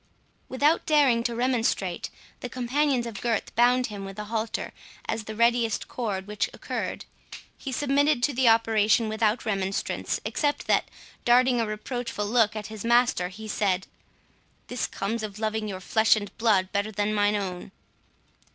Without daring to remonstrate, the companions of Gurth bound him with a halter, as the readiest cord which occurred. He submitted to the operation without remonstrance, except that, darting a reproachful look at his master, he said, "This comes of loving your flesh and blood better than mine own."